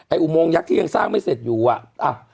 อุโมงยักษ์ที่ยังสร้างไม่เสร็จอยู่อ่ะ